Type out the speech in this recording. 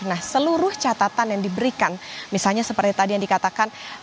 nah seluruh catatan yang diberikan misalnya seperti tadi yang dikatakan